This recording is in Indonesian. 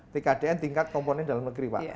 tkdn tingkat komponen dalam negeri pak